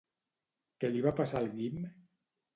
Què li va passar al Guim?